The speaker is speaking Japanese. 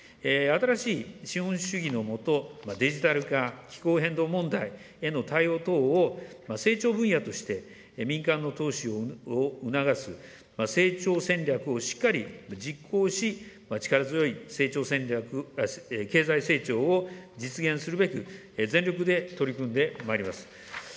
新しい資本主義の下、デジタル化、気候変動問題への対応等を成長分野として、民間の投資を促す、成長戦略をしっかり実行し、力強い経済成長を実現するべく、全力で取り組んでまいります。